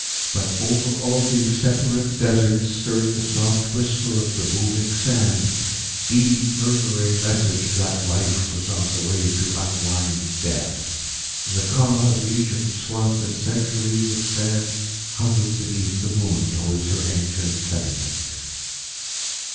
But over all these separate Deserts stirred the soft whisper of the moving sand deep murmuring message that Life was on the way to unwind Death. The Ka of Egypt, swathed in centuries of sand, hovered beneath the moon towards her ancient tenement.